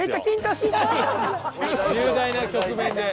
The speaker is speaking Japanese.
重大な局面で。